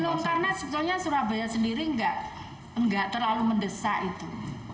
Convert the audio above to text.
belum karena sebetulnya surabaya sendiri nggak terlalu mendesak itu